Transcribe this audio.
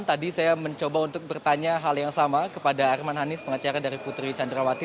tadi saya mencoba untuk bertanya hal yang sama kepada arman hanis pengacara dari putri candrawati